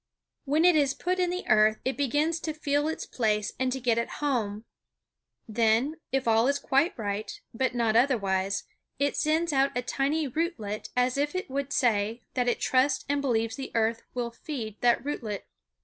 When it is put in the earth it begins to feel its place and to get at home; then, if all is quite right, but not otherwise it sends out a tiny rootlet as if it would say that it trusts and believes the earth will feed that rootlet.